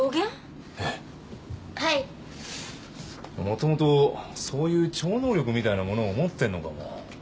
もともとそういう超能力みたいなものを持ってんのかも。